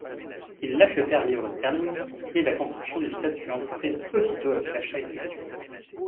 Ils l'achetèrent £ et la construction du stade fut entreprise aussitôt l'achat effectué.